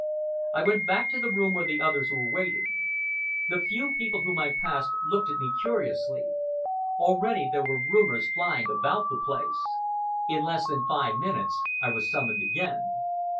I went back to the room where the others were waiting. The few people whom I passed looked at me curiously. Already there were rumors flying about the place. In less than five minutes I was summoned again.